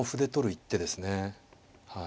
はい。